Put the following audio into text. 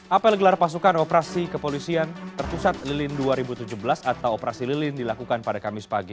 apel gelar pasukan operasi kepolisian terpusat lilin dua ribu tujuh belas atau operasi lilin dilakukan pada kamis pagi